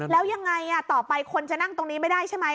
แล้วยังไงต่อไปคนจะนั่งตรงนี้ไม่ได้ใช่ไหม